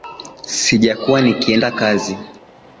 Sijakuwa nikienda kazi.